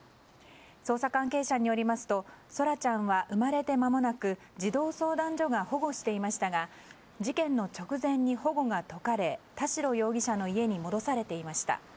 捜査関係者によりますと空来ちゃんは生まれて間もなく児童相談所が保護していましたが事件の直前に保護が解かれ田代容疑者の自宅に戻されていました。